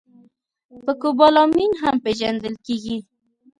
په کوبالامین هم پېژندل کېږي